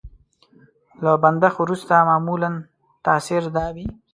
له بندښت وروسته معمولا تاثر دا وي.